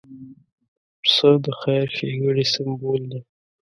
پسه د خیر ښېګڼې سمبول دی.